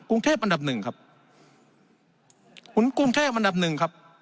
กรุงเทพอันดับหนึ่งครับขุนกรุงเทพอันดับหนึ่งครับ